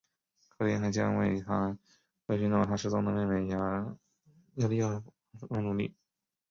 林克还将为寻找他失踪的妹妹雅丽儿而努力。